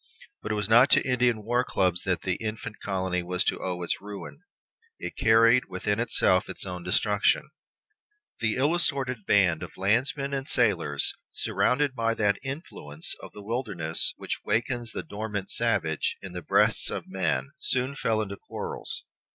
But it was not to Indian war clubs that the infant colony was to owe its ruin. It carried within itself its own destruction. The ill assorted band of lands men and sailors, surrounded by that influence of the wilderness which wakens the dormant savage in the breasts of men, soon fell into quarrels.